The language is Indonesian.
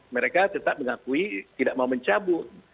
mereka tetap mengakui tidak mau mencabut